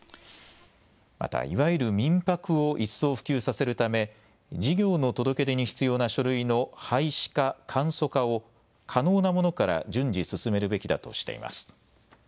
また、いわゆる民泊を一層普及させるため事業の届け出に必要な書類の廃止か簡素化を可能なものから順次、進めるべきだとしています。